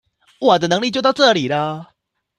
我的能力就到這裡了